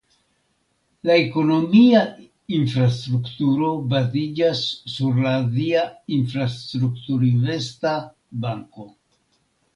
La ekonomia infrastrukturo baziĝas sur la Azia Infrastrukturinvesta Banko.